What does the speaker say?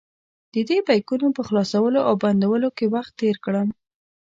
ددې بیکونو په خلاصولو او بندولو کې وخت تېر کړم.